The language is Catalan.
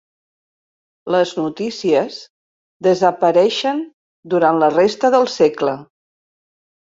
Les notícies desapareixen durant la resta del segle.